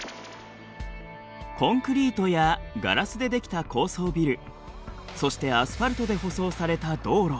コンクリートやガラスで出来た高層ビルそしてアスファルトで舗装された道路。